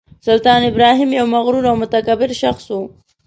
سلطان ابراهیم یو مغرور او متکبر شخص و.